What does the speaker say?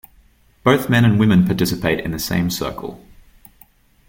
Both men and women participate in the same circle.